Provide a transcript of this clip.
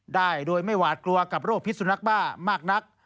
ได้โดยไม่หวาดกลัวกับโรคพิษสุนักบ้ามากนัก